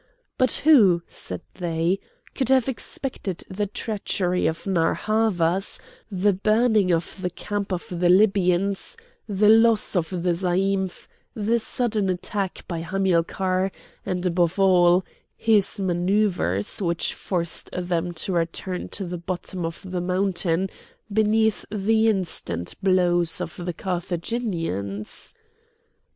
But who, said they, could have expected the treachery of Narr' Havas, the burning of the camp of the Libyans, the loss of the zaïmph, the sudden attack by Hamilcar, and, above all, his manouvres which forced them to return to the bottom of the mountain beneath the instant blows of the Carthaginians?